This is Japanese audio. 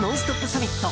サミット